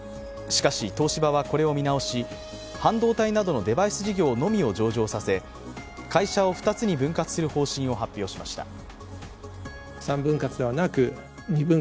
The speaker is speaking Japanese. しかし、東芝はこれを見直し、半導体などのデバイス事業のみを上場させ、会社を２つに分割する方針を発表しました。